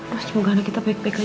mas semoga anak kita baik baik aja ya